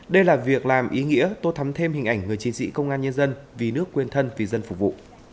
đây là việc làm ý nghĩa tô thắm thêm hình ảnh người chiến sĩ công an nhân dân vì nước quên thân vì dân phục vụ